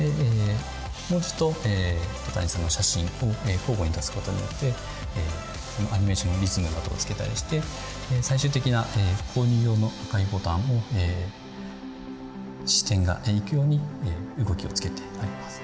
文字と戸谷さんの写真を交互に出すことによってアニメーションのリズムなどをつけたりして最終的な購入用の赤いボタンを視点が行くように動きをつけてあります。